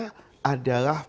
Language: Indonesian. perilaku yang kita lakukan